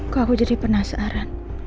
kok aku jadi penasaran